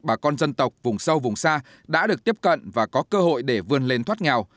bà con dân tộc vùng sâu vùng xa đã được tiếp cận và có cơ hội để vươn lên thoát nghèo